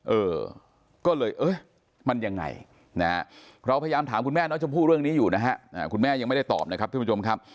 เออก็เลยเอ๊ะมันยังไงนะฮะเราพยายามถามคุณแม่น้องชมพู่เรื่องนี้อยู่นะฮะคุณแม่ยังไม่ได้ตอบนะครับทุกผู้ชมครับ